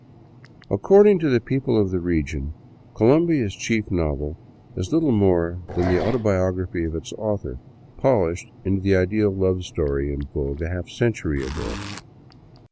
According to the people of the region, Colombia's chief novel is little more than the autobiography of its author, polished into the ideal love story in vogue a half century ago.